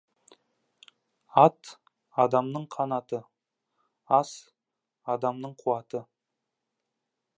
Ат — адамның қанаты, ac — адамның қуаты.